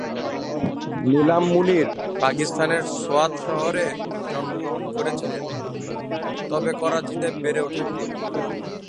নীলম মুনির পাকিস্তানের সোয়াত শহরে জন্মগ্রহণ করেছিলেন তবে করাচিতে বেড়ে ওঠেন তিনি।